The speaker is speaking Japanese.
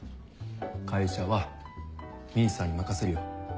会社は兄さんに任せるよ。